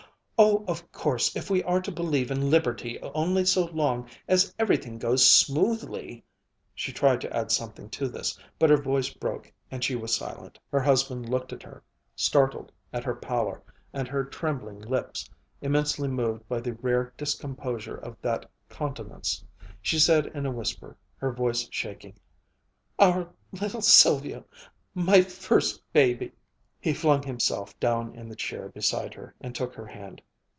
"Oh, of course if we are to believe in liberty only so long as everything goes smoothly " She tried to add something to this, but her voice broke and she was silent. Her husband looked at her, startled at her pallor and her trembling lips, immensely moved by the rare discomposure of that countenance. She said in a whisper, her voice shaking, "Our little Sylvia my first baby " He flung himself down in the chair beside her and took her hand.